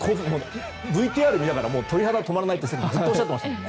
ＶＴＲを見ながら鳥肌が止まらないっておっしゃってましたもんね。